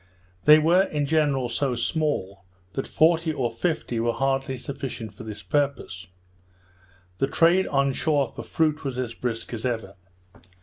They were, in general, so small, that forty or fifty were hardly sufficient for this purpose. The trade on shore for fruit was as brisk as ever.